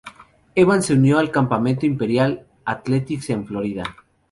Evans se unió al campamento Imperial Athletics en Florida.